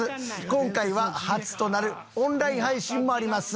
今回は初となるオンライン配信もあります。